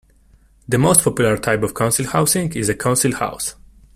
The most popular type of council housing is a council house